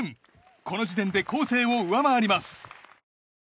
この時点でコーセーを上回ります。